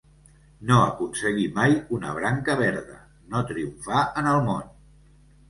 "No aconseguir mai una branca verda"; no triomfar en el món.